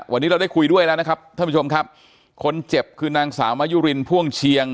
วันนี้เราได้คุยด้วยแล้วนะครับท่านผู้ชมครับคนเจ็บคือนางสาวมายุรินพ่วงเชียง